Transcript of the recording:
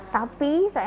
tapi saya merasakan